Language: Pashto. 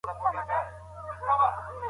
ټېکنالوژي دقیق تشخیص ورکوي.